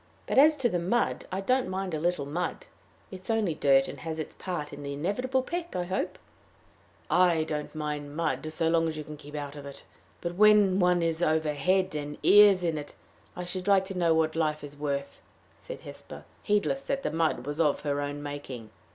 But as to the mud, I don't mind a little mud. It is only dirt, and has its part in the inevitable peck, I hope." "I don't mind mud so long as you can keep out of it. But when one is over head and ears in it, I should like to know what life is worth," said Hesper, heedless that the mud was of her own making.